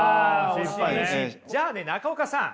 じゃあね中岡さん。